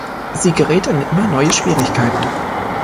Sie gerät in immer neue Schwierigkeiten.